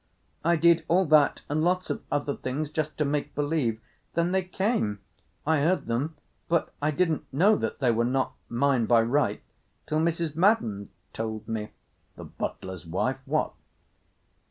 "I did all that and lots of other things—just to make believe. Then they came. I heard them, but I didn't know that they were not mine by right till Mrs. Madden told me——" "The butler's wife? What?"